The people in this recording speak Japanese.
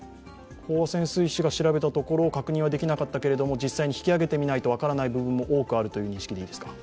飽和潜水士が調べたところ確認はできなかったけれども、実際に引き揚げてみないと分からない部分も多くあるという認識でいいですか？